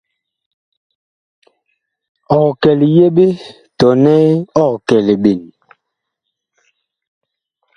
Ɔg kɛ liyeɓe tɔnɛ ɔg kɛ liɓen ?